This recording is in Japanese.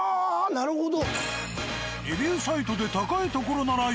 なるほど。